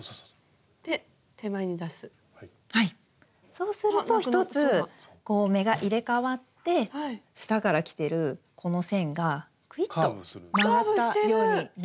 そうすると１つ目が入れかわって下からきてるこの線がクイッと曲がったようになります。